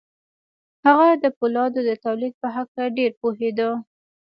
هغه د پولادو د تولید په هکله ډېر پوهېده